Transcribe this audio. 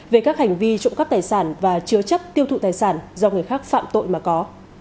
về các hành vi trộm cắp tài sản và chứa chấp tiêu thụ tài sản do người khác phạm tội mà có